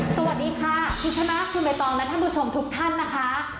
สวัสดีค่ะคุณชนะคุณใบตองและท่านผู้ชมทุกท่านนะคะ